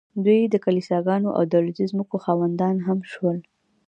دوی د کلیساګانو او دولتي ځمکو خاوندان هم شول